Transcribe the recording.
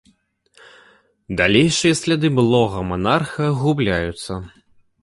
Далейшыя сляды былога манарха губляюцца.